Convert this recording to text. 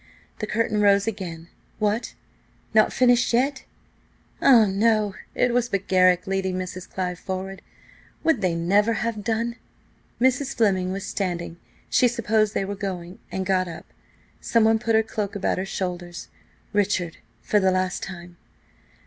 The curtain rose again–what! not finished yet? Ah, no! it was but Garrick leading Mrs. Clive forward. Would they never have done? Mrs. Fleming was standing; she supposed they were going, and got up. Someone put her cloak about her shoulders: Richard–for the last time.